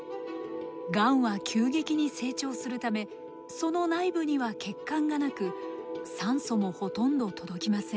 がんは急激に成長するためその内部には血管がなく酸素もほとんど届きません。